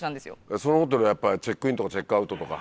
そのホテルはチェックインとかチェックアウトとか？